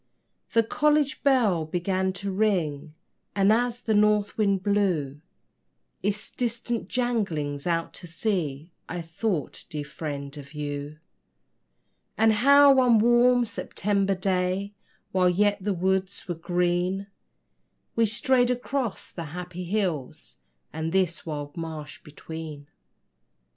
The college bell began to ring, And as the north wind blew Its distant janglings out to sea, I thought, dear Friend, of you; And how one warm September day, While yet the woods were green, We strayed across the happy hills And this wide marsh between.